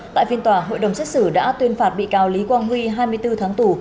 tại phiên tòa hội đồng xét xử đã tuyên phạt bị cáo lý quang huy hai mươi bốn tháng tù